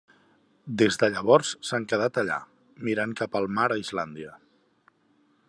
Des de llavors s'han quedat allà, mirant al mar cap a Islàndia.